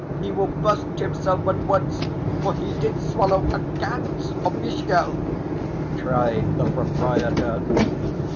He will burst himself at once, for he did swallow a ganz official!" cried the proprietor.